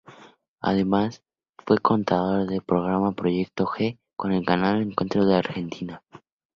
Además, fue conductor del programa Proyecto G en el canal Encuentro de Argentina.